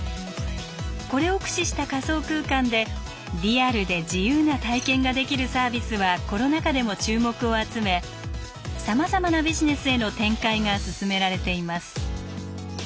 これを駆使した仮想空間でリアルで自由な体験ができるサービスはコロナ禍でも注目を集めさまざまなビジネスへの展開が進められています。